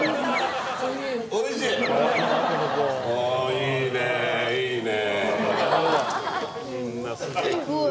いいね、いいね。